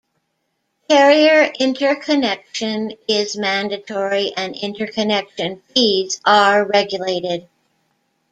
Carrier interconnection is mandatory and interconnection fees are regulated.